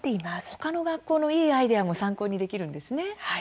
他の学校のいいアイデアも参考にできるんですね。